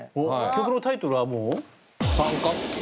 曲のタイトルはもう？